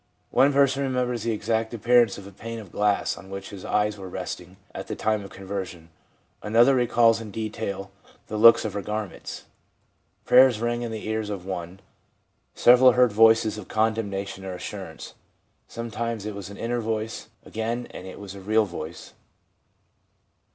One person remembers the exact appear ance of a pane of glass on which his eyes were resting at the time of conversion ; another recalls in detail the look of her garments. Prayers rang in the ears of one ; several heard voices of condemnation or assurance — sometimes it was an * inner voice/ again it was a real voice.